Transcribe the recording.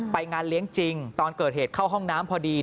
งานเลี้ยงจริงตอนเกิดเหตุเข้าห้องน้ำพอดี